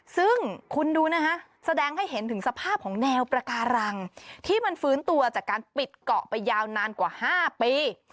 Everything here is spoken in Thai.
ซึ่งคุณดูนะฮะแสดงให้เห็นถึงสภาพของแนวประการังที่มันฟื้นตัวจากการปิดเกาะไปยาวนานกว่า๕ปี